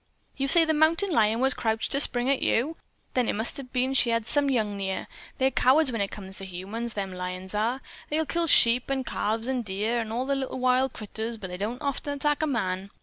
"You say the mountain lion was crouched to spring at you? Then it must o' been that she had some young near. They're cowards when it comes to humans, them lions are. They kill sheep an' calves an' deer, an' all the little wild critters, but they don't often attack a man.